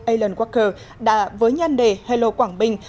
alan walker với nhanh đề hello quảng bình